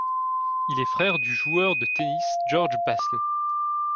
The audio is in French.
Il est le frère du joueur de tennis George Bastl.